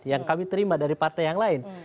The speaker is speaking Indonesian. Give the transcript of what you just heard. yang kami terima dari partai yang lain